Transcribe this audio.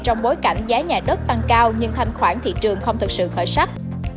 trong bối cảnh giá nhà đất tăng cao nhưng thanh khoản thị trường không thực sự khởi sắc